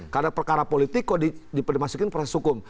karena perkara politik dimasukin proses hukum